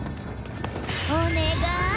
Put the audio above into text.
お願い。